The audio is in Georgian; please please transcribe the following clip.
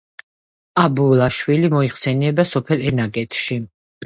აბულაშვილი მოიხსენიება სოფელ ენაგეთში.